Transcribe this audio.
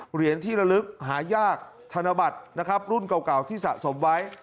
เหรียญที่ระลึกหายากธนบัตรนะครับรุ่นเก่าที่สะสมไว้